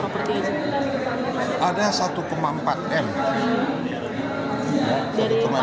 berapa pak propertinya